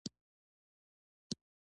خیرن، خیرنه ،خیرنې ، خیرنو .